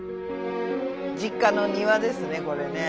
実家の庭ですねこれね。